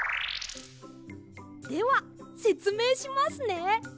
ではせつめいしますね。